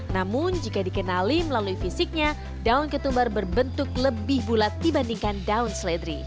namun jika dikenali melalui fisiknya daun ketumbar berbentuk lebih bulat dibandingkan daun seledri